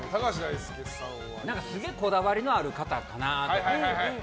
すげえこだわりのある方かなと思って。